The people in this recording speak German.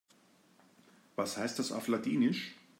Was heißt das auf Ladinisch?